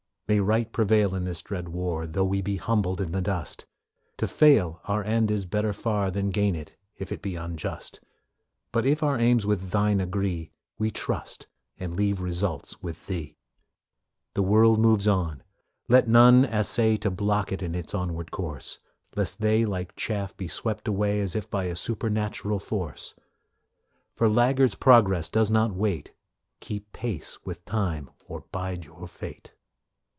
May right prevail in this dread war, Though we be humbled in the dust; To fail our end is better far Then gain it, if it be unjust, But if our aims with Thine agree We trust and leave results with Thee. The world moves on; let none essay To block it in its onward course, Lest they like chaff be swept away As by a supernatural force; For laggards progress does not wait Keep pace with time or bide your fate.